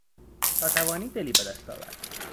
تا توانی دلی بهدست آور...